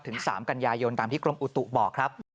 ๓กันยายนตามที่กรมอุตุบอกครับ